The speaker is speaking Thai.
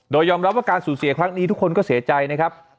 โดยยอมรับว่าการสูญเสียครั้งนี้ทุกคนก็เสียใจนะครับ